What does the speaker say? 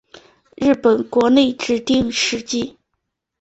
日本国内指定史迹。